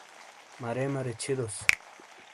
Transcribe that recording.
مَرے مَرے چھِیدوسوں۔